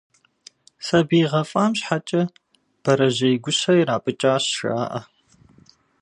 Сабий гъэфӏам щхьэкӏэ, бэрэжьей гущэ ирапӏыкӏащ, жаӏэ.